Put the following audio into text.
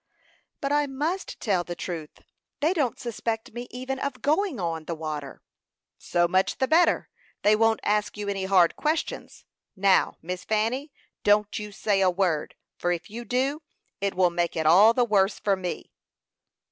"But I must tell the truth. They don't suspect me even of going on the water." "So much the better. They won't ask you any hard questions. Now, Miss Fanny, don't you say a word; for if you do, it will make it all the worse for me."